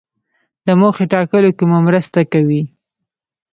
د موخې ټاکلو کې مو مرسته کوي.